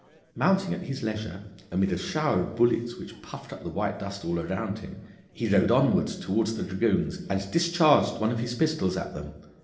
Mounting at his leisure, amid a shower of bullets which puffed up the white dust all around him, he rode onwards towards the dragoons and discharged one of his pistols at them.